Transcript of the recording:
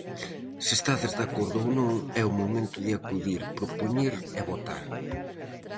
Se estades de acordo, ou non, é o momento de acudir, propoñer e votar.